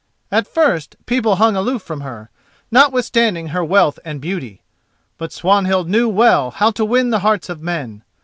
At first people hung aloof from her, notwithstanding her wealth and beauty; but Swanhild knew well how to win the hearts of men.